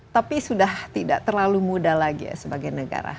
tapi sudah tidak terlalu muda lagi ya sebagai negara